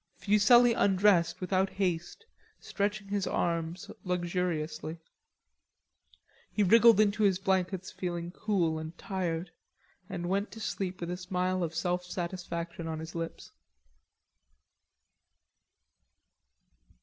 Fuselli undressed without haste, stretching his arms luxuriously. He wriggled into his blankets feeling cool and tired, and went to sleep with a smile of self satisfaction on his lips.